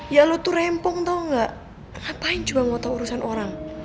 ya lo tuh rempong tau gak ngapain cuma mau tahu urusan orang